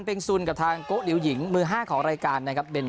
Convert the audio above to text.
เป็นซุนกับทางโกะดิวหญิงมือ๕ของรายการนะครับ